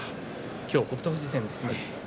今日、北勝富士戦ですね。